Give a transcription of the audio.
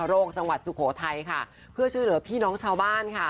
โรคจังหวัดสุโขทัยค่ะเพื่อช่วยเหลือพี่น้องชาวบ้านค่ะ